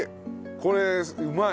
これうまい。